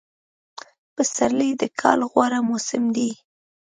پسرلی دکال غوره موسم دی